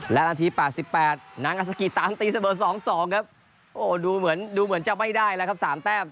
และนาที๘๘นางอาซากิตามตีเสมอ๒๒ครับดูเหมือนจะไม่ได้แล้วครับ๓แต้ม